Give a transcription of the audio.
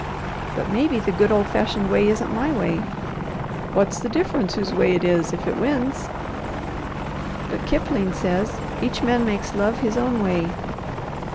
"But maybe the 'good old fashioned way' isn't my way." "What's the difference whose way it is, if it wins?" "But Kipling says: 'Each man makes love his own way!'"